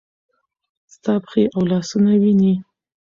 ستا پښې او لاسونه وینې ؟